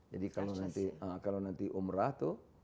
jadi kalau nanti umrah tuh